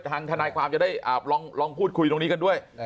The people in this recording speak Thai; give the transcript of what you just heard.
ทนายความจะได้ลองพูดคุยตรงนี้กันด้วย